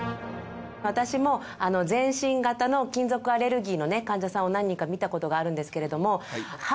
私も全身型の金属アレルギーの患者さんを何人か診たことがあるんですけれども歯。